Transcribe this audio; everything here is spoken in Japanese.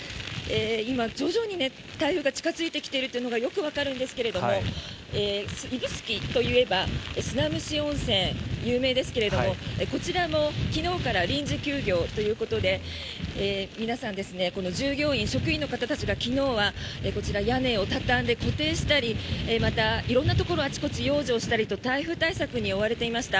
今、徐々に台風が近付いてきているのがよくわかるんですが指宿といえば砂蒸し温泉、有名ですけどこちらも昨日から臨時休業ということで皆さん従業員、職員の方たちが昨日はこちら屋根を畳んで固定したりまた、色んなところあちこち養生したりと台風対策に追われていました。